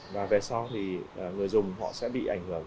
và về sau thì người dùng họ sẽ bị ảnh hưởng